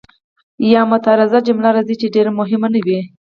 یا معترضه جمله راځي چې ډېره مهمه نه وي.